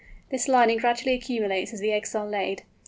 This lining gradually accumulates as the eggs are laid.